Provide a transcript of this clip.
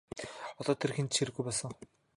Одоо тэр хэнд ч хэрэггүй болсон.